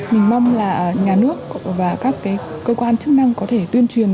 mình mong là nhà nước và các cơ quan chức năng có thể tuyên truyền